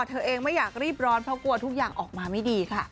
เธอเองไม่อยากรีบร้อนเพราะกลัวทุกอย่างออกมาไม่ดีค่ะ